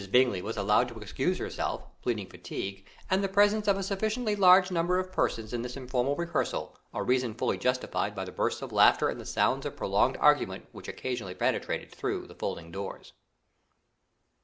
Bingley was allowed to excuse herself, pleading fatigue, and the presence of a sufficiently large number of persons at this informal rehearsal, a reason fully justified by the bursts of laughter and sounds of prolonged argument which occasionally penetrated through the folding doors.